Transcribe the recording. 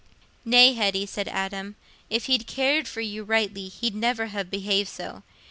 "Nay, Hetty," said Adam, "if he'd cared for you rightly, he'd never ha' behaved so.